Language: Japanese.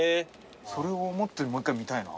それを思ってもう１回見たいな。